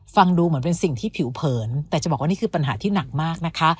ฟังดูเหมือนเป็นสิ่งที่ผิวเผินแต่จะบอกว่านี่คือปัญหาที่หนักมากนะคะ